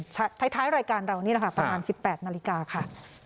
ชัดท้ายท้ายรายการเรานี่แหละค่ะประมาณสิบแปดนาฬิกาค่ะ